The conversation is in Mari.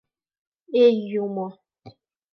Эй, юмо!..